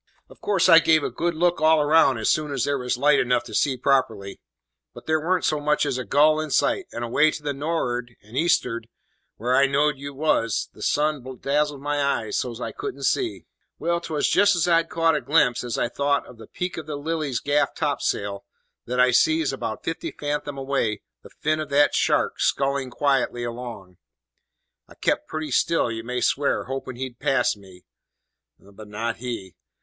"Of course I gave a good look all round as soon as there was light enough to see properly; but there warn't so much as a gull in sight, and away to the nor'ard, and east'ard where I knowed you was, the sun dazzled my eyes so's I couldn't see. "Well, 'twas just as I'd caught a glimpse, as I thought, of the peak of the Lily's gaff topsail, that I sees, about fifty fathom away, the fin of that shark scullin' quietly along. I kept pretty still, you may swear, hoping he'd pass me. But not he.